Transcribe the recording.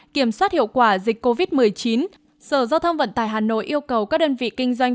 kiểm soát hiệu quả dịch covid một mươi chín sở giao thông vận tải hà nội yêu cầu các đơn vị kinh doanh